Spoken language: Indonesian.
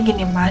enggak ke kamar